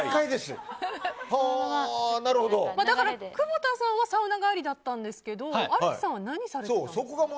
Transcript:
だから窪田さんはサウナ帰りだったんですけどアリスさんは何をされてたんですか？